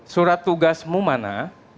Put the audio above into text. surat tugasmu mana